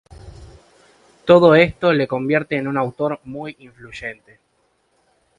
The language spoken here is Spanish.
Todo esto le convierte en un autor muy influyente.